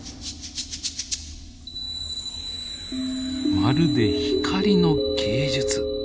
まるで光の芸術。